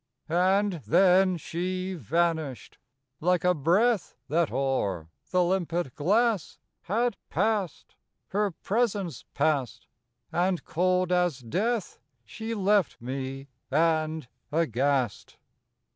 And then she vanished. Like a breath, That o'er the limpid glass had passed, Her presence passed; and cold as death She left me and aghast.